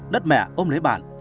đất mẹ ôm lấy bạn